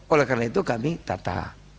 oleh karena itu kami tata